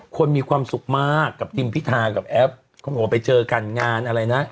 ควรมีความสุขมากกับจิมพิธากับแอปควรไปเจอกันงานอะไรนะ